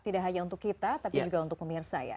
tidak hanya untuk kita tapi juga untuk pemirsa ya